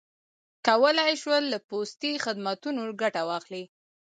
کولای یې شول له پوستي خدمتونو ګټه واخلي.